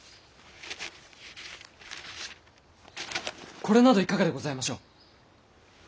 これなどいかがでございましょう？